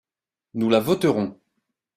Nous la voterons.